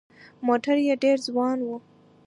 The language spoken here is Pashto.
موټر یې ډېر ځوان و.